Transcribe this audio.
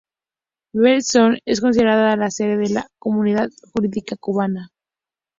Bet Shalom es considerada la sede de la comunidad judía cubana.